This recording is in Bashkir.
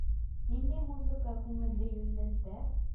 Ниндәй музыка күңелде йүнәлтә?